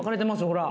ほら